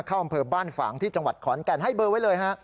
อำเภอบ้านฝางที่จังหวัดขอนแก่นให้เบอร์ไว้เลยฮะ